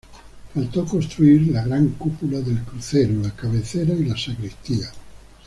Faltó construir la gran cúpula del crucero, la cabecera y las sacristías.